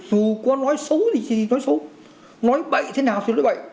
dù có nói xấu gì thì nói xấu nói bậy thế nào thì nói bậy